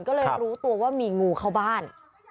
ก็เลยรู้ตัวว่ามีงูเข้าบ้าน